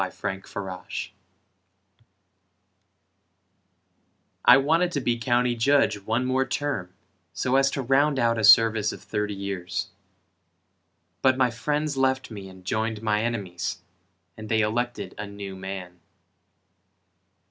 Granville Calhoun I wanted to be County Judge One more term, so as to round out a service Of thirty years. But my friends left me and joined my enemies, And they elected a new man.